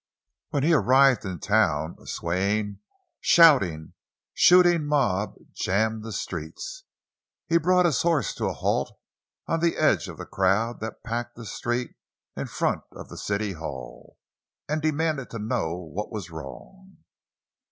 When he arrived in town a swaying, shouting, shooting mob jammed the streets. He brought his horse to a halt on the edge of the crowd that packed the street in front of the city hall, and demanded to know what was wrong.